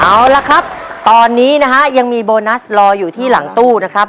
เอาละครับตอนนี้นะฮะยังมีโบนัสรออยู่ที่หลังตู้นะครับ